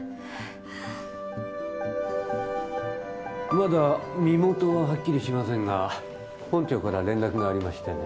まだ身元ははっきりしませんが本庁から連絡がありましてね